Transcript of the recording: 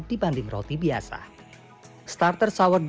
itu seperti saya tadi bilang